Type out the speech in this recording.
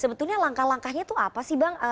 sebetulnya langkah langkahnya itu apa sih bang